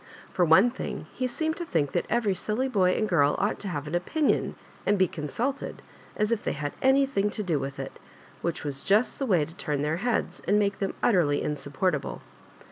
Fbr one thing, he seemed to think that every silly boy and girl ought to have an opinion and be consulted, as if they had anything to do with it — which was just the way to turn their heads,' and make them utterly insupportable.